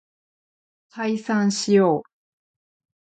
解散しよう